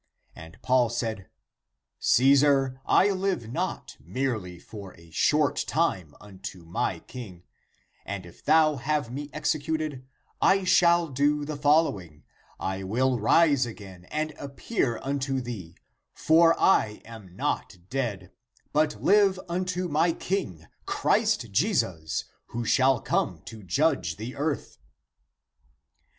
And Paul said, " Caesar, I live not merely for a short time unto my King; and if thou have me executed, I shall do the following : I will rise again and appear unto thee, for I am not dead, but live unto my King Christ Jesus, who shall come to judge the earth."